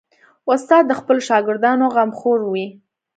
استاد د خپلو شاګردانو غمخور وي.